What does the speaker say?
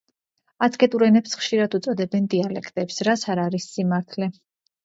აცტეკურ ენებს ხშირად უწოდებენ დიალექტებს, რაც არ არის სიმართლე.